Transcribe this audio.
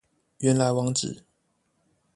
原來網址